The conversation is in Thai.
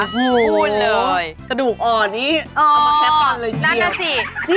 พูดเลยกระดูกอ่อนนี่เอามาแคปปันเลยเยี่ยมนั่นสิ